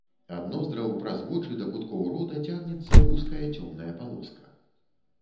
Ад ноздраў праз вочы да куткоў рота цягнецца вузкая цёмная палоска.